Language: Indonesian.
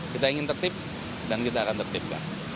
kita ingin tertib dan kita akan tertipkan